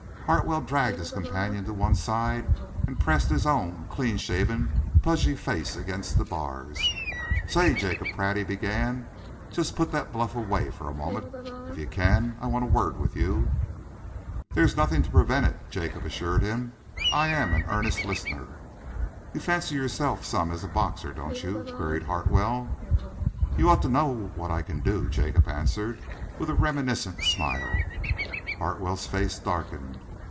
Hartwell dragged his companion to one side and pressed his own clean shaven, pudgy face against the bars. "Say, Jacob Pratt," he began, "just put that bluff away for a moment, if you can. I want a word with you." "There is nothing to prevent it," Jacob assured him. "I am an earnest listener." "You fancy yourself some as a boxer, don't you?" queried Hartwell. "You ought to know what I can do," Jacob answered, with a reminiscent smile. Hartwell's face darkened.